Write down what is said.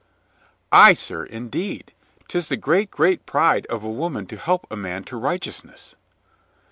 "Ay, sir, indeed. 'Tis the great, great pride of a woman to help a man to righteousness."